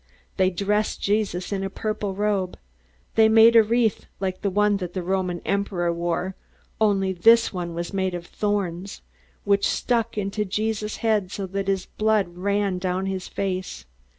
They dressed Jesus in a purple robe. They made a wreath, like the one that the Roman emperor wore only this one was made of thorns, which stuck into Jesus' head so that the blood ran down his face.